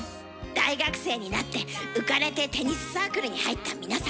大学生になって浮かれてテニスサークルに入った皆さん。